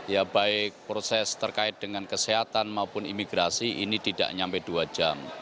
ya baik proses terkait dengan kesehatan maupun imigrasi ini tidak sampai dua jam